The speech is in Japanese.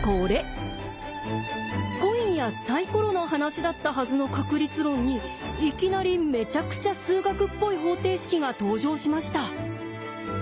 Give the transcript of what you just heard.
コインやサイコロの話だったはずの確率論にいきなりめちゃくちゃ数学っぽい方程式が登場しました。